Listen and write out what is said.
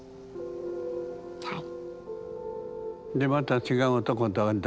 はい。